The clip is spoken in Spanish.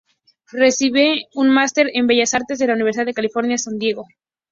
Recibe un Master en Bellas Artes de la Universidad de California en San Diego.